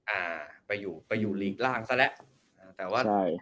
อ่าไปอยู่ลิงก์ล่างซะละ